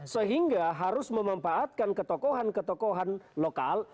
sehingga harus memanfaatkan ketokohan ketokohan lokal